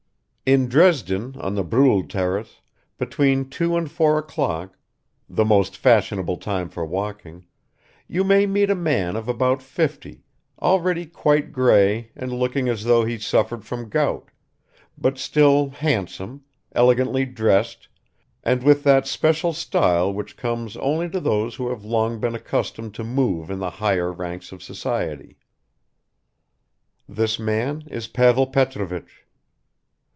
In Dresden on the Brühl terrace, between two and four o'clock the most fashionable time for walking you may meet a man of about fifty, already quite grey and looking as though he suffered from gout, but still handsome, elegantly dressed and with that special style which comes only to those who have long been accustomed to move in the higher ranks of society. This man is Pavel Petrovich.